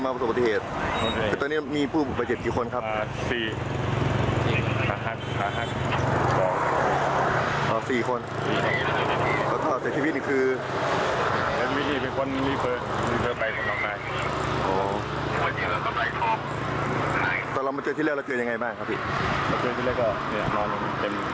ก็ทำนะที่จะเจอที่แล้วอย่างไรบ้าง